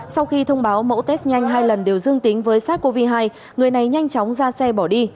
sau khi thông báo mẫu test nhanh hai lần đều dương tính với sars cov hai người này nhanh chóng ra xe bỏ đi